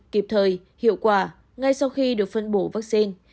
kịp thời hiệu quả ngay sau khi được phân bổ vaccine